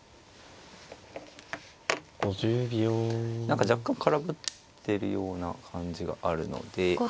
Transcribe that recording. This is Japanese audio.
何か若干空振ってるような感じがあるので。